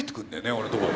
俺のとこへ。